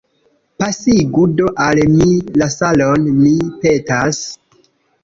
Pasigu do al mi la salon, mi petas.